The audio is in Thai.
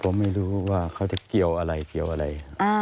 ผมไม่รู้ว่าเขาจะเกี่ยวอะไรเกี่ยวอะไร